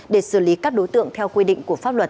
để xử lý các đối tượng theo quy định của pháp luật